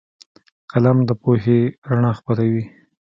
قلم د پوهې رڼا خپروي